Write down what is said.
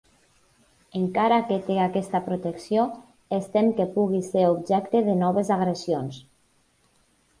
Encara que té aquesta protecció es tem que pugui ser objecte de noves agressions.